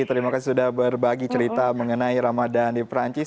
terima kasih sudah berbagi cerita mengenai ramadan di perancis